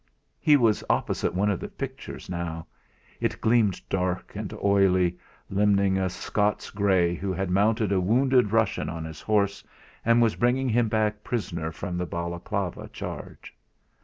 He was opposite one of the pictures now. It gleamed, dark and oily, limning a Scots Grey who had mounted a wounded Russian on his horse, and was bringing him back prisoner from the Balaclava charge.